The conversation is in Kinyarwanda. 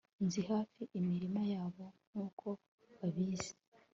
Nzi hafi imirima yabo nkuko babizi